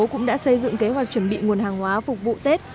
cũng đã xây dựng kế hoạch chuẩn bị nguồn hàng hóa phục vụ tết